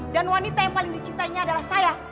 dan wanita yang paling dicintainya adalah saya